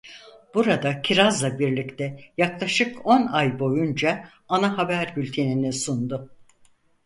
Burada Kiraz'la birlikte yaklaşık on ay boyunca ana haber bültenini sundu.